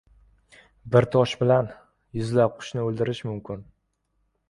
• Bir tosh bilan yuzlab qushni o‘ldirish mumkin.